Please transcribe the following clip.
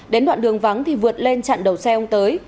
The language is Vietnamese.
đến đoạn đường vắng thì vượt lên chặn đầu xe ông tới